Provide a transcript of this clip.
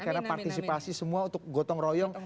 karena partisipasi semua untuk gotong royong